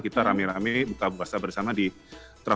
kita rame rame buka buasa bersama di wembley stadium